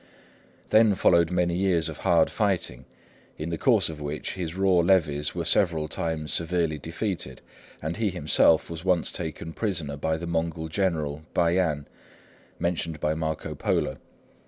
Then followed many years of hard fighting, in the course of which his raw levies were several times severely defeated, and he himself was once taken prisoner by the Mongol general, Bayan, mentioned by Marco Polo.